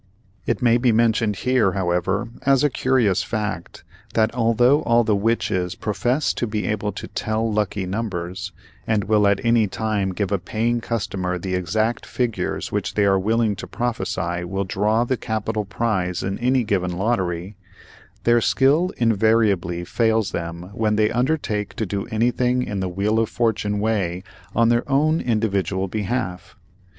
It may be mentioned here, however, as a curious fact, that although all the "witches" profess to be able to "tell lucky numbers," and will at any time give a paying customer the exact figures which they are willing to prophesy will draw the capital prize in any given lottery, their skill invariably fails them when they undertake to do anything in the wheel of fortune way on their own individual behalf.